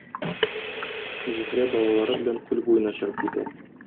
Зөһрә балалары белән күл буена чыгып китә.